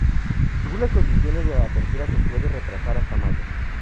Según las condiciones, la apertura se puede retrasar hasta mayo.